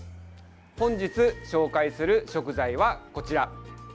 本日紹介する食材はこちら。